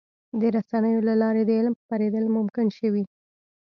د رسنیو له لارې د علم خپرېدل ممکن شوي.